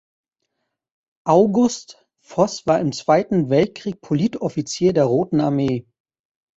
Augusts Voss war im Zweiten Weltkrieg Politoffizier der Roten Armee.